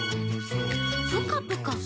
「プカプカ？